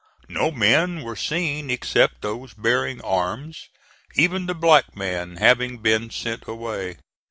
No men were seen except those bearing arms, even the black man having been sent away.